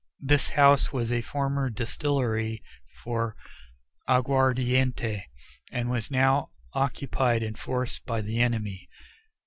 This house was a former distillery for aguardiente, and was now occupied in force by the enemy.